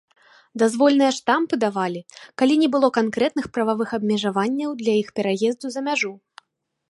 Дазвольныя штампы давалі, калі не было канкрэтных прававых абмежаванняў для іх пераезду за мяжу.